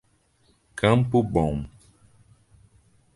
Campo Bom